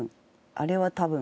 あれは多分。